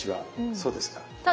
そうです。